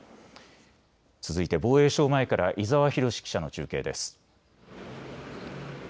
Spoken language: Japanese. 続いて防衛省前から伊沢浩志記者の中継です。